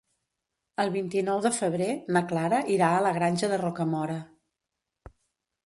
El vint-i-nou de febrer na Clara irà a la Granja de Rocamora.